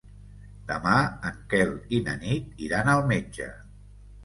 Demà en Quel i na Nit iran al metge.